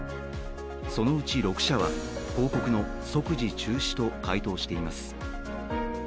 そのうち６社は広告の即時中止と回答しています。